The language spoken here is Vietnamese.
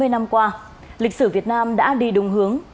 sáu mươi năm qua lịch sử việt nam đã đi đúng hướng